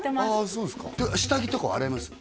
そうですか下着とかは洗います？